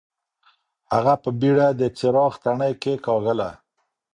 هغه په بېړه د څراغ تڼۍ کېکاږله.